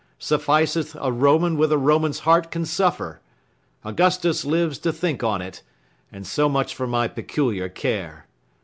Sufficeth A Roman with a Roman's heart can suffer. Augustus lives to think on't; and so much For my peculiar care.